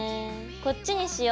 こっちにしよ！